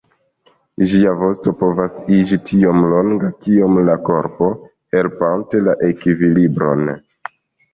Ĝia vosto povas iĝi tiom longa kiom la korpo, helpante la ekvilibron.